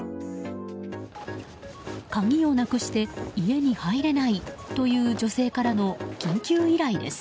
鍵をなくして家に入れないという女性からの緊急依頼です。